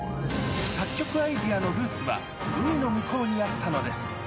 作曲アイデアのルーツは、海の向こうにあったのです。